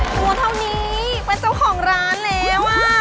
ตัวเท่านี้เป็นเจ้าของร้านแล้วอ่ะ